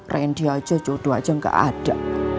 randy aja jodoh aja gak ada